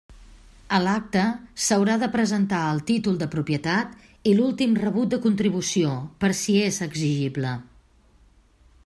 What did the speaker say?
A l'acte s'haurà de presentar el títol de propietat i l'últim rebut de contribució, per si és exigible.